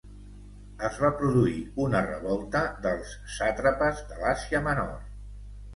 Es va produir una revolta dels sàtrapes de l'Àsia Menor.